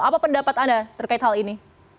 apa pendapat anda terkait hal ini